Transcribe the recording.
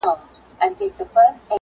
ستا پړونی دې زما د تن کفن شي